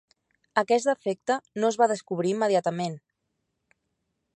Aquest efecte no es va descobrir immediatament.